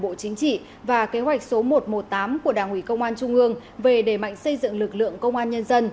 bộ chính trị và kế hoạch số một trăm một mươi tám của đảng ủy công an trung ương về đề mạnh xây dựng lực lượng công an nhân dân